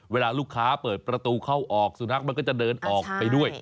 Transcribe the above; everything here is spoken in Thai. เวลาลูกค้าเปิดประตูเข้าออกสุนัขมันก็จะเดินออกไปด้วย